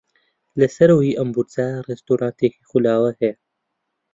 لە سەرەوەی ئەم بورجە ڕێستۆرانتێکی خولاوە هەیە.